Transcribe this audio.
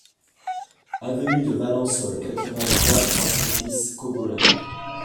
Avenue de Valensole, quatre-vingt-trois, trois cent dix Cogolin